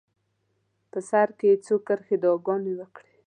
په سر کې یې څو ښې دعاګانې وکړې.